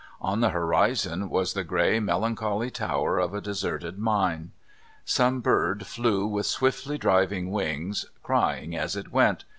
On the horizon was the grey, melancholy tower of a deserted mine. Some bird flew with swiftly driving wings, crying as it went.